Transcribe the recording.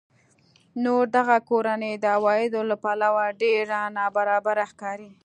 نو دغه کورنۍ د عوایدو له پلوه ډېره نابرابره ښکاري